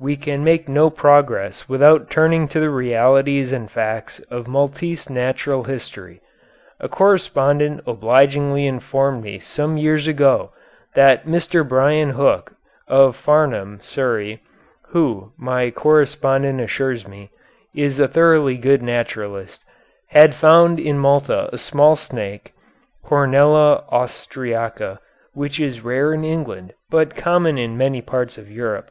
We can make no progress without turning to the realities and facts of Maltese natural history. A correspondent obligingly informed me some years ago that Mr. Bryan Hook, of Farnham, Surrey (who, my correspondent assures me, is a thoroughly good naturalist), had found in Malta a small snake, Coronella austriaca, which is rare in England, but common in many parts of Europe.